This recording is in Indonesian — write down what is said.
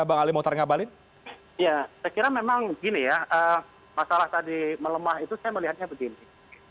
bang ali motar ngabalin ya saya kira memang gini ya masalah tadi melemah itu saya melihatnya begini